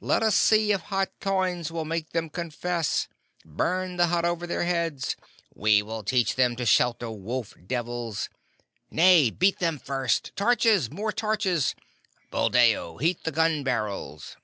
Let us see if hot coins will make them confess! Burn the hut over their heads! We will teach them to shelter wolf devils! Nay, beat them first! Torches! More torches! Buldeo, heat the gun barrels!"